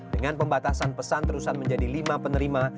dengan pembatasan pesan terusan menjadi lima penerima